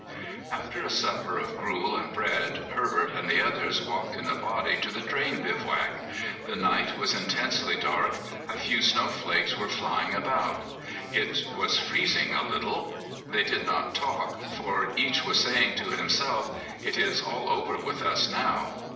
After a supper of gruel and bread, Herbert and the others walked in a body to the train bivouac. The night was intensely dark; a few snowflakes were flying about; it was freezing a little. They did not talk, for each was saying to himself, "It is all over with us now."